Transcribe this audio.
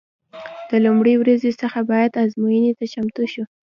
د لومړۍ ورځې څخه باید ازموینې ته چمتو شو.